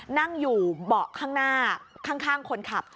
นั่งอยู่เบาะข้างหน้าข้างคนขับ